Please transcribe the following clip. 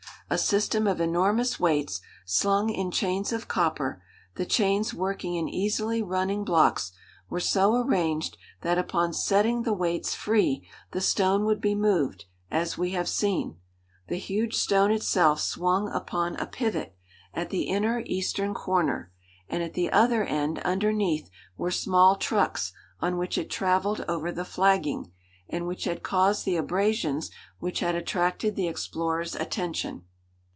A system of enormous weights, slung in chains of copper, the chains working in easily running blocks, were so arranged that upon setting the weights free the stone would be moved, as we have seen. The huge stone itself swung upon a pivot, at the inner, eastern corner, and at the other end underneath were small trucks on which it traveled over the flagging, and which had caused the abrasions which had attracted the explorer's attention.